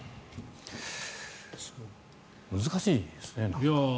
難しいですね。